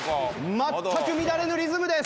全く乱れぬリズムです。